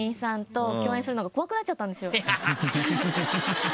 ハハハハ！